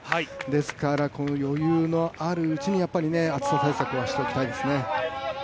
ですからこの余裕のあるうちに暑さ対策はしておきたいですね。